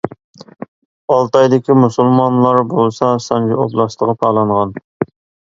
ئالتايدىكى مۇسۇلمانلار بولسا سانجى ئوبلاستىغا پالانغان.